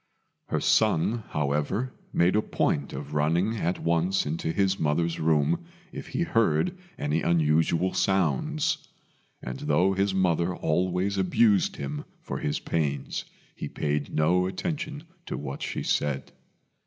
Her son, however, made a point of running at once into his mother's room if he heard any unusual sounds; and though his mother always abused him for his pains, he paid no attention to what she said.